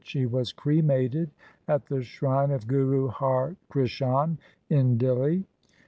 She was cremated at the shrine of Guru Har Krishan in Dihli.